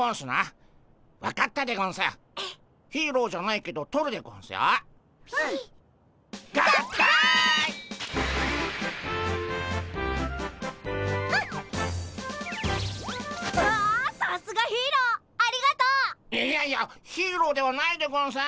いやいやヒーローではないでゴンス。